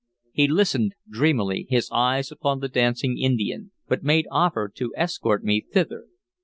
He listened dreamily, his eyes upon the dancing Indian, but made offer to escort me thither.